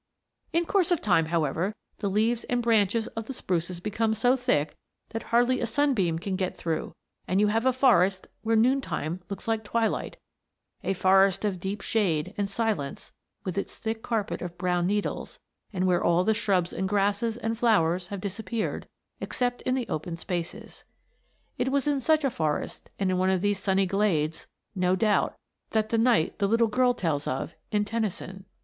In course of time, however, the leaves and branches of the spruces become so thick that hardly a sunbeam can get through and you have a forest where noontime looks like twilight; a forest of deep shade and silence with its thick carpet of brown needles, and where all the shrubs and grasses and flowers have disappeared, except in the open spaces. It was in such a forest and in one of these sunny glades, no doubt, that the knight the little girl tells of in Tennyson